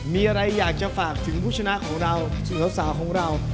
มีอะไรอยากจะฝากถึงผู้ชนะของเราสาวของเรา